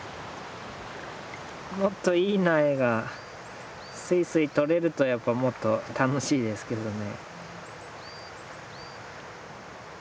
もっといい苗がスイスイとれるとやっぱもっと楽しいですけどね。